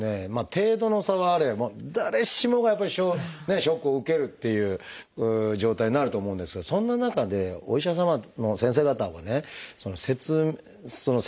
程度の差はあれ誰しもがやっぱりショックを受けるという状態になると思うんですがそんな中でお医者様の先生方はね説明をする。